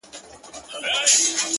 قربانو زړه مـي خپه دى دا څو عمـر ـ